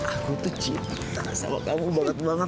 aku tuh cinta sama kamu banget banget